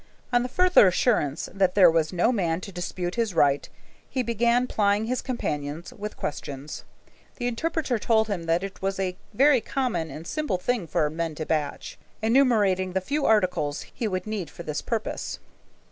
On the further assurance that there was no man to dispute his right, he began plying his companions with questions. The interpreter told him that it was a very common and simple thing for men to batch, enumerating the few articles he would need for this purpose.